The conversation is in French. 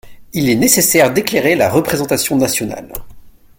Il est nécessaire d’éclairer la représentation nationale.